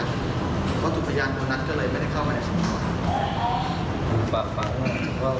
คือพวกนี้คือผมไม่รู้ว่าคณะนี้จะไปถึงไหน